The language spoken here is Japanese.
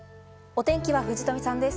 お天気は藤富さんです。